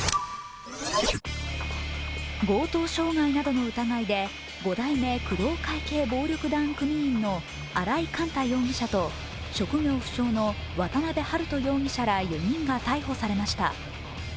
強盗傷害などの疑いで５代目工藤系暴力団組員の荒井幹太容疑者と職業不詳の渡辺晴斗容疑者ら４人が逮捕されました。